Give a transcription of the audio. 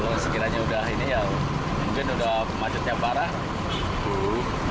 kalau sekiranya sudah ini ya mungkin sudah pemacetnya parah